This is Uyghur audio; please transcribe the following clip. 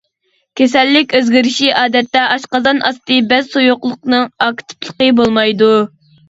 كېسەللىك ئۆزگىرىشى ئادەتتە ئاشقازان ئاستى بەز سۇيۇقلۇقىنىڭ ئاكتىپلىقى بولمايدۇ.